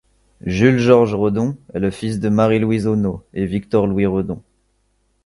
Jules Georges Redon est le fils de Marie-Louise Hauneau et Victor Louis Redon.